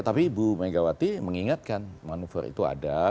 tapi ibu megawati mengingatkan manuver itu ada